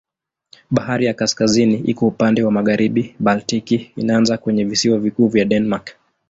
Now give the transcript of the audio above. Bahari ya Kaskazini iko upande wa magharibi, Baltiki inaanza kwenye visiwa vikuu vya Denmark.